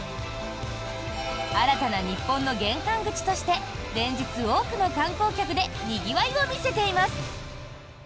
新たな日本の玄関口として連日、多くの観光客でにぎわいを見せています。